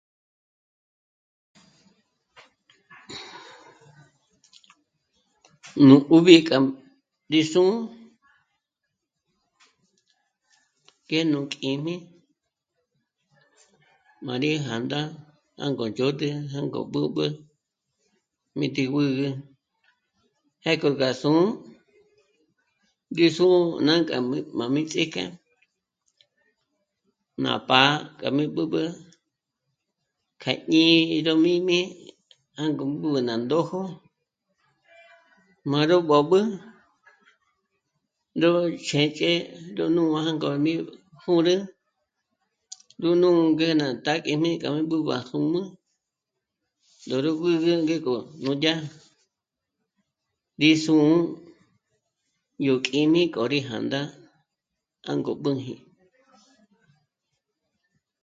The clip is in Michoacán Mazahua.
Nú 'ùb'i k'a má rí sù'u ngé nú kjíjm'i, má rí jā̂ndā jângo ndzhôd'ü jângo b'ǚb'ü mí tí b'ǚgü jé k'o gá sù'u, rí sù'u nânk'a má mí ts'íjk'e ná pá'a k'a mí b'ǚb'ü kja jñí'i ndí ró mī́'m'ī jângo b'ǚb'ü ná ndójo, mâ'a ró b'ǚb'ü ró xë̌chje ró nù'u jângo rí mí jûrü, nújnu ngé má tá kjíjm'i k'a mí b'ǚb'ü à jùm'u, yó ró mbǚgü ngék'o yá rí sù'u yó kjí'm'i k'o rí jā̂ndā jângo b'ǖ́nji